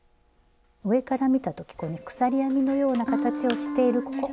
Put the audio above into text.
上から見た時こうね鎖編みのような形をしているここ。